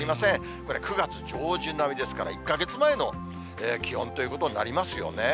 これ、９月上旬並みですから、１か月前の気温ということになりますよね。